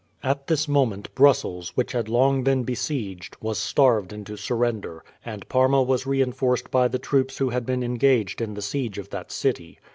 At this moment Brussels, which had long been besieged, was starved into surrender, and Parma was reinforced by the troops who had been engaged in the siege of that city.